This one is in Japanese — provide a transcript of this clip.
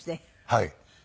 はい。